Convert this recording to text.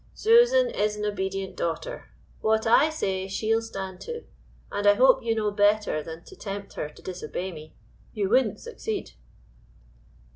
"Susan is an obedient daughter. What I say she'll stand to; and I hope you know better than to tempt her to disobey me; you wouldn't succeed."